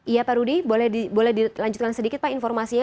iya pak rudy boleh dilanjutkan sedikit pak informasinya